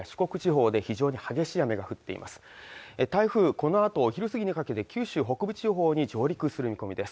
このあと昼過ぎにかけて九州北部地方に上陸する見込みです